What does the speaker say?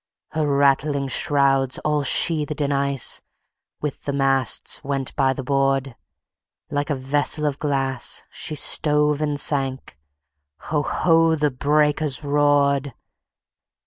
Her rattling shrouds, all sheathed in ice, With the masts went by the board; Like a vessel of glass, she stove and sank, Ho! ho! the breakers roared!